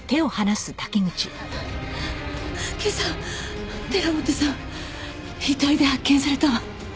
今朝寺本さん遺体で発見されたわ。